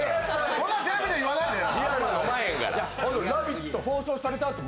そんなのテレビで言わないでよ！